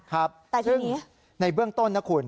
แต่ทีนี้ซึ่งในเบื้องต้นนะคุณ